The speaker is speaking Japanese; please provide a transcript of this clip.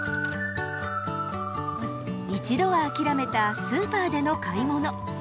一度は諦めたスーパーでの買い物。